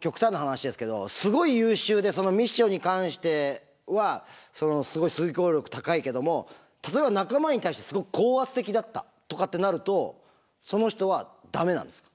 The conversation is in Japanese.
極端な話ですけどすごい優秀でそのミッションに関してはすごい遂行力高いけども例えば仲間に対してすごく高圧的だったとかってなるとその人はダメなんですか？